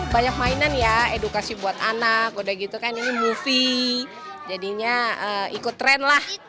banyak mainan ya edukasi buat anak udah gitu kan ini movie jadinya ikut tren lah